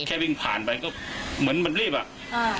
แค่วิ่งผ่านไปก็เหมือนมันรีบอ่ะอ่า